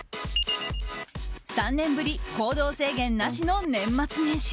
３年ぶり行動制限なしの年末年始。